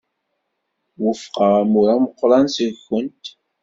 Wufqeɣ amur ameqran seg-went.